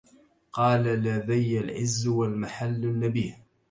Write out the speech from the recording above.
قل لذي العز والمحل النبيه